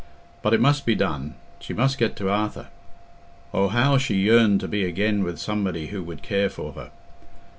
But it must be done—she must get to Arthur. Oh, how she yearned to be again with somebody who would care for her!